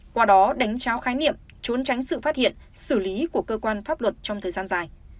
qua đó đánh trao khái niệm trốn tránh sự phát hiện xử lý của cơ quan pháp luật trong thời gian dài